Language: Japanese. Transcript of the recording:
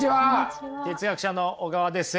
哲学者の小川です。